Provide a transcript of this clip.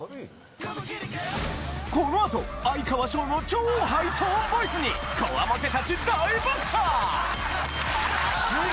このあと哀川翔の超ハイトーンボイスに強面達大爆笑！